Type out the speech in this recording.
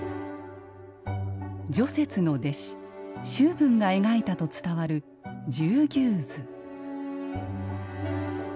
如拙の弟子周文が描いたと伝わる「十牛図」